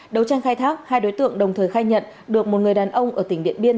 đấu tranh khai thác hai đối tượng đồng thời khai nhận được một người đàn ông ở tỉnh điện biên